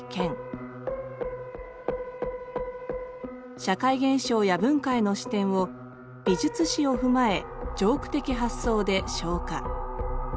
社会現象や文化への視点を美術史を踏まえジョーク的発想で昇華。